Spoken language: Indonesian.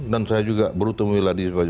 dan saya juga baru ketemu di wajah wadah baru itu